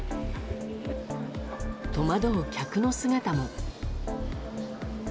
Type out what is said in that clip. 戸惑う客の姿も。